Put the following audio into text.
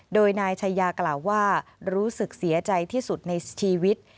โดยนายชายากล่าวว่ารู้สึกเสียใจที่สุดในชีวิต